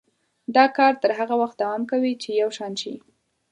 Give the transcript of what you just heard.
دا کار تر هغه وخته دوام کوي چې یو شان شي.